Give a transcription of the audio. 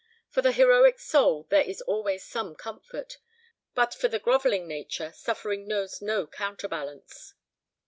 For the heroic soul there is always some comfort; but for the grovelling nature suffering knows no counterbalance.